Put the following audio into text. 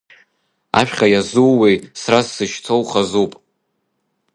Ажәхьа иазууеи, сара сзышьҭоу хазуп.